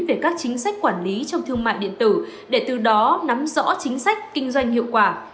về các chính sách quản lý trong thương mại điện tử để từ đó nắm rõ chính sách kinh doanh hiệu quả